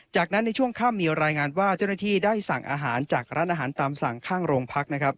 จากนั้นในช่วงค่ำมีรายงานว่าเจ้าหน้าที่ได้สั่งอาหารจากร้านอาหารตามสั่งข้างโรงพักนะครับ